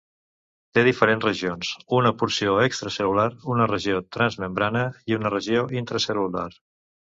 Té diferents regions: una porció extracel·lular, una regió transmembrana i una regió intracel·lular.